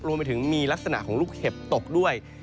รวมไปถึงมีลักษณะของลูกเห็บตกด้วย